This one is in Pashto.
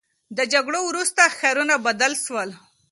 د جګړو وروسته ښارونه بدل سول.